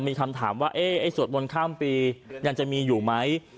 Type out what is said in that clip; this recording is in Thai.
มีคำถามว่าไอ้สวดมนต์ข้ามปียังจะมีอยู่ไหม